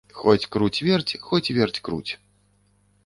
Хоць круць-верць, хоць верць-круць.